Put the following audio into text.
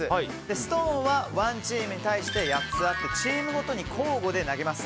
ストーンは１チームに対して８つあってチームごとに交互で投げます。